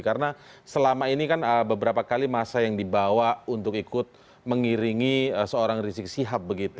karena selama ini kan beberapa kali masa yang dibawa untuk ikut mengiringi seorang rizik sihab begitu